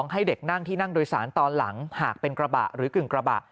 ให้เด็กนั่งที่นั่งโดยสารตอนหลังหากเป็นกระบะหรือกึ่งกระบะ